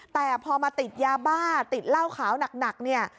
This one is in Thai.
แต่พอมาติดยาบ้าติดเหล้าขาวหนักเนี่ย